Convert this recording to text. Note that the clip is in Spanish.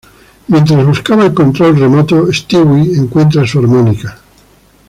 Mientras buscaba el control remoto, Stewie encuentra su armónica.